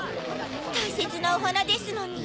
たいせつなおはなですのに。